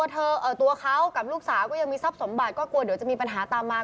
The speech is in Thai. ตัวเขากับลูกสาวก็ยังมีทรัพย์สมบัติก็กลัวเดี๋ยวจะมีปัญหาตามมา